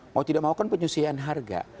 mau tidak mau kan penyusian harga